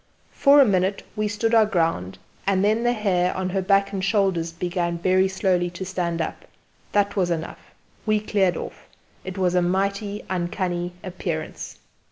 For a minute we stood our ground, and then the hair on her back and shoulders began very slowly to stand up. That was enough: we cleared off. It was a mighty uncanny appearance.